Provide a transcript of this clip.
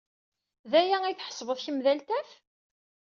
D aya ay tḥesbed kemm d altaf?